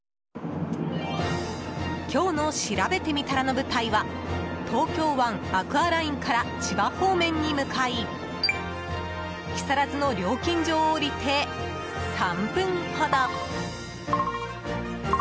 今日のしらべてみたらの舞台は東京湾アクアラインから千葉方面に向かい木更津の料金所を降りて３分ほど。